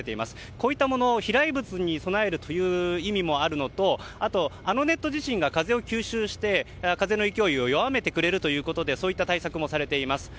こういったもの、飛来物に備えるという意味もあるのとあと、あのネット自身が風を吸収して風の勢いを弱めてくれるということでそうした対策もされています。